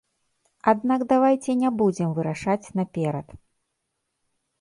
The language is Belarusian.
Аднак давайце не будзем вырашаць наперад.